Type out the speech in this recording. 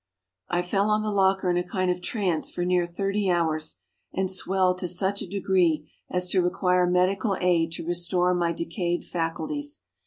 I fell on the locker in a kind of trance for near thirty hours, and swelled to such a degree as to require medical aid to restore my decayed faculties.